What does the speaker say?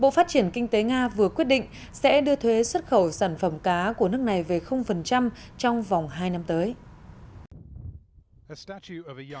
bộ phát triển kinh tế nga vừa quyết định sẽ đưa thuế xuất khẩu sản phẩm cá của nước này về trong vòng hai năm tới